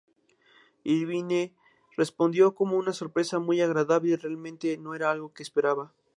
Irvine respondió como "una sorpresa muy agradable y realmente no era algo que esperaba".